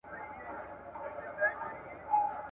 زه اوس د تکړښت لپاره ځم!.